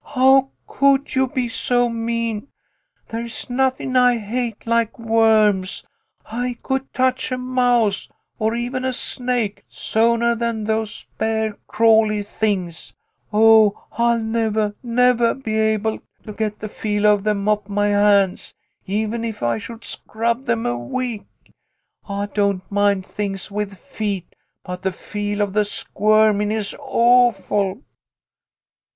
" How could you be so mean ? There's nothing I hate like worms. I could touch a mouse or even a snake soonah than those bare crawly things ! Oh, I'll nevah, nevah be able to get the feel A TIME FOR PATIENCE. J\ of them off my hands, even if I should scrub them a week. I don't mind things with feet, but the feel of the squirmin' is awful